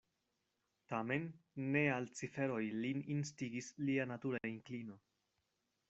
Tamen ne al ciferoj lin instigis lia natura inklino.